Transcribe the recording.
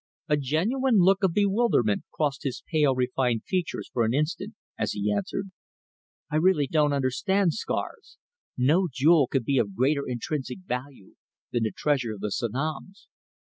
A genuine look of bewilderment crossed his pale refined features for an instant, as he answered: "I really don't understand, Scars. No jewel can be of greater intrinsic value than the Treasure of the Sanoms.